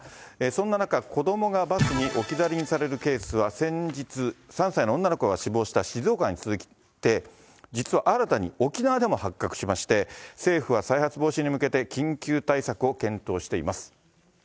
そんな中、子どもがバスに置き去りにされるケースは、先日、３歳の女の子が死亡した静岡に続いて、実は新たに沖縄でも発覚しまして、政府は再発防止に向けて、緊急対策を検討しています。